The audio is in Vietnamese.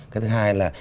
cái thứ hai là